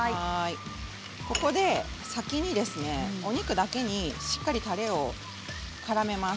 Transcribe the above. ここで先にお肉だけにしっかりとたれをからめます。